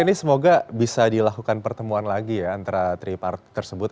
ini semoga bisa dilakukan pertemuan lagi ya antara tripart tersebut